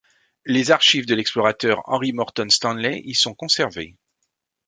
Les archives de l'explorateur Henry Morton Stanley y sont conservées.